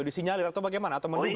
disinyalir atau bagaimana atau menurut